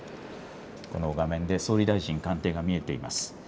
この画面で総理大臣官邸が見えています。